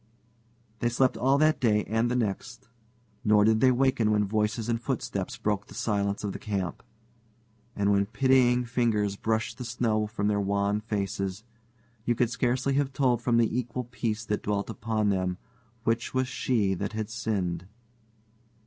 They slept all that day and the next, nor did they waken when voices and footsteps broke the silence of the camp. And when pitying fingers brushed the snow from their wan faces, you could scarcely have told from the equal peace that dwelt upon them which was she that had sinned.